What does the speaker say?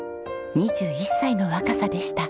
２１歳の若さでした。